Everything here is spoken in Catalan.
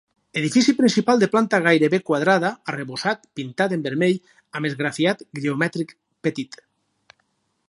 Edifici principal de planta gairebé quadrada, arrebossat, pintat en vermell, amb esgrafiat geomètric petit.